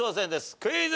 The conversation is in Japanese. クイズ。